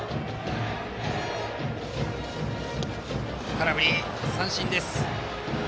空振り三振です。